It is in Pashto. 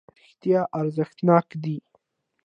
رښتیا ارزښتناکه ده.